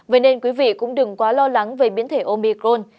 vậy nên quý vị cũng đừng quá lo lắng về biến thể omicron